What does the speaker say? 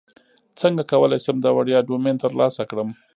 څنګه کولی شم د وړیا ډومین ترلاسه کړم